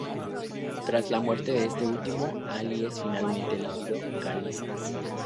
Tras la muerte de este último, Alí es finalmente elegido califa.